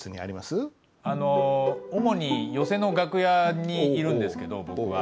あの主に寄席の楽屋にいるんですけど僕は。